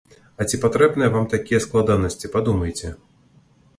А ці патрэбныя вам такія складанасці, падумайце?